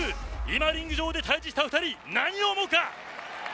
リング上で対峙した２人何を思うか。